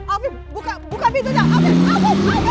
afif buka pintunya afif afif afif